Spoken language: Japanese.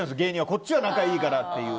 こっちは仲いいからって。